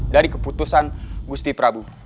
dari keputusan gusti prabu